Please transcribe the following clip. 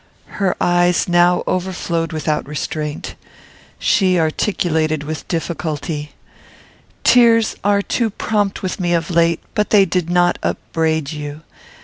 Her eyes now overflowed without restraint. She articulated, with difficulty, "Tears are too prompt with me of late; but they did not upbraid you.